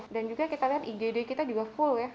dan juga kita lihat igd kita juga full ya